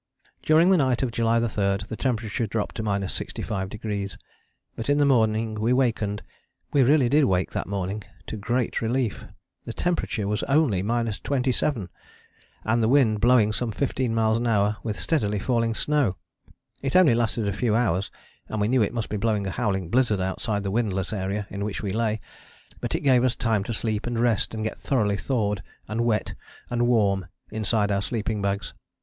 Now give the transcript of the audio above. During the night of July 3 the temperature dropped to 65°, but in the morning we wakened (we really did wake that morning) to great relief. The temperature was only 27° with the wind blowing some 15 miles an hour with steadily falling snow. It only lasted a few hours, and we knew it must be blowing a howling blizzard outside the windless area in which we lay, but it gave us time to sleep and rest, and get thoroughly thawed, and wet, and warm, inside our sleeping bags.